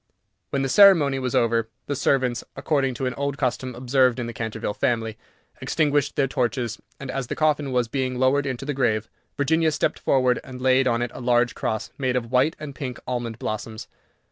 When the ceremony was over, the servants, according to an old custom observed in the Canterville family, extinguished their torches, and, as the coffin was being lowered into the grave, Virginia stepped forward, and laid on it a large cross made of white and pink almond blossoms.